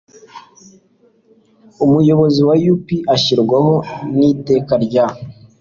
Umuyobozi wa U P ashyirwaho n Iteka rya